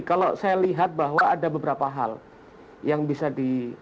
kalau saya lihat bahwa ada beberapa hal yang bisa di